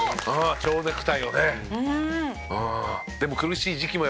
蝶ネクタイをね。